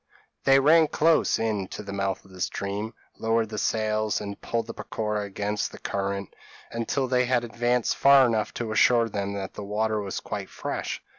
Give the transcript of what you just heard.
p> They ran close in to the mouth of the stream, lowered the sails, and pulled the peroqua against the current, until they had advanced far enough to assure them that the water was quite fresh.